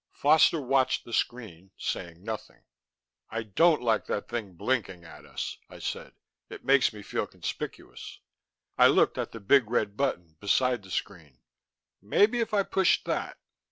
Foster watched the screen, saying nothing. "I don't like that thing blinking at us," I said. "It makes me feel conspicuous." I looked at the big red button beside the screen. "Maybe if I pushed that...."